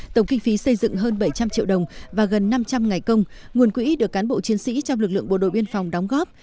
tổng kinh phí xây dựng hơn bảy trăm linh triệu đồng và gần năm trăm linh ngày công nguồn quỹ được cán bộ chiến sĩ trong lực lượng bộ đội biên phòng đóng góp